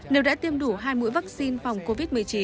nếu đã tiêm đủ hai mũi vaccine phòng covid một mươi chín